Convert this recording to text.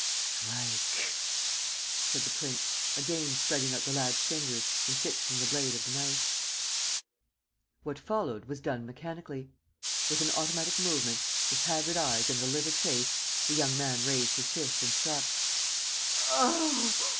"Strike!" said the prince, again spreading out the lad's fingers and fixing the blade of the knife. What followed was done mechanically. With an automatic movement, with haggard eyes and a livid face, the young man raised his fist and struck: "Ah!"